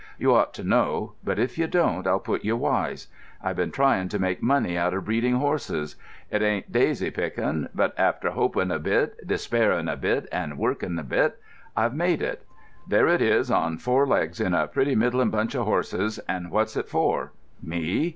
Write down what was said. "You ought to know, but if you don't, I'll put you wise. I've been tryin' to make money out of breeding horses. It ain't daisy pickin', but after hopin' a bit, despairin' a bit, and workin' a bit, I've made it—there it is on four legs in a pretty middlin' bunch of horses, and what's it for? Me?